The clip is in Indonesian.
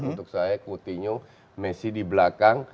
untuk saya coutinho messi di belakang